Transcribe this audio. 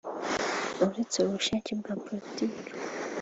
uretse ubushake bwa politiki